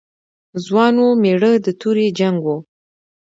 ځوان و، مېړه د تورې جنګ و.